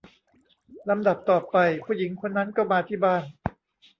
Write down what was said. ลำดับต่อไป ผู้หญิงคนนั้นก็มาที่บ้าน